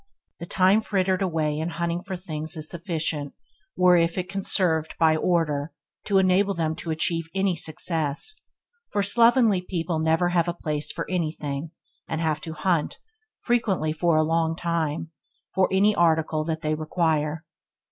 The time frittered away in hunting for things is sufficient, were if conserved by order, to enable them to achieve any success, for slovenly people never have a place for anything, and have to hunt, frequently for a long time, for any article which they require.